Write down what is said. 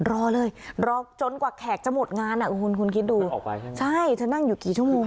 รอเลยรอจนกว่าแขกจะหมดงานอ่ะคุณคิดดูใช่เธอนั่งอยู่กี่ชั่วโมง